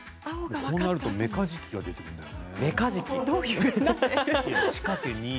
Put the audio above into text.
こうなるとメカジキが出てくるんだよね。